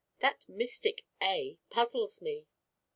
That mystic 'A' puzzles me."